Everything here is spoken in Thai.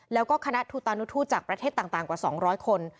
แล้วก็คณะทูตานุทูตจากประเทศต่างกว่า๒๐๐คน